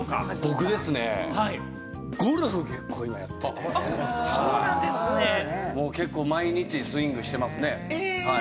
僕、ゴルフ結構やってて、結構、毎日スイングしてますね。